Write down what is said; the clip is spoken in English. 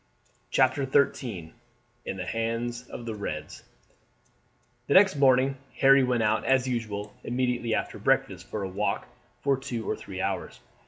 CHAPTER XIII In the Hands of the Reds The next morning Harry went out, as usual, immediately after breakfast, for a walk for two or three hours.